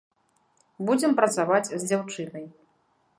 Будзем працаваць з дзяўчынай.